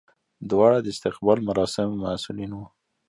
دواړه د استقبال مراسمو مسولین وو.